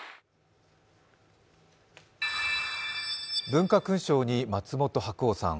文化勲章に松本白鸚さん